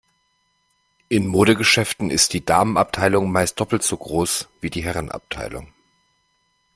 In Modegeschäften ist die Damenabteilung meist doppelt so groß wie die Herrenabteilung.